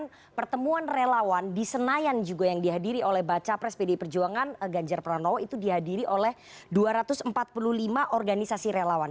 jadi pertemuan relawan di senayan juga yang dihadiri oleh baca pres pdi perjuangan ganjar pranowo itu dihadiri oleh dua ratus empat puluh lima organisasi relawan